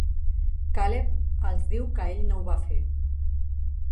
Caleb els diu que ell no ho va fer.